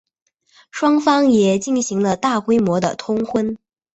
双方也进行了大规模的通婚。